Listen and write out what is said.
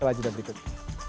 sampai jumpa di berikutnya